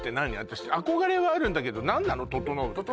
私憧れはあるんだけど何なの？